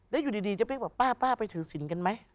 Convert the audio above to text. แล้วอยู่ดีจะไปบอกป้าไปถือศิลป์กันไหม